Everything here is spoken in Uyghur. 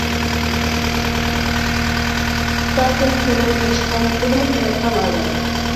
ئۇستازىم تولىمۇ تىرىشقان، تولىمۇ سوغۇققان ئادەم.